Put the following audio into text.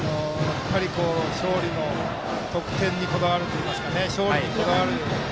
勝利の得点にこだわるといいますか勝利にこだわる。